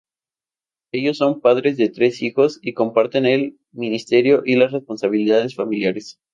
Ellos son padres de tres hijos y comparten el ministerio y las responsabilidades familiares.